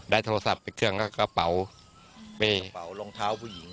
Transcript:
โทรศัพท์ไปเครื่องก็กระเป๋าเป้กระเป๋ารองเท้าผู้หญิง